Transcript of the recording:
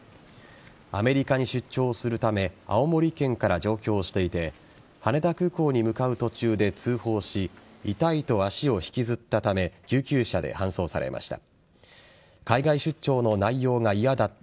アメリカに出張するため青森県から上京していて羽田空港に向かう途中で通報し痛いと足を引きずったため救急車で搬送されました。